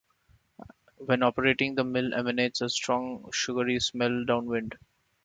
When operating, the mill emanates a strong sugary smell downwind.